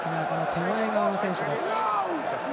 手前側の選手です。